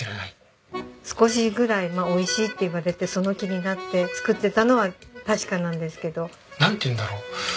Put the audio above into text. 少しぐらいまあ「おいしい」って言われてその気になって作ってたのは確かなんですけど。なんていうんだろう？